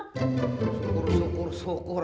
syukur syukur syukur